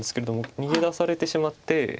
逃げ出されてしまって。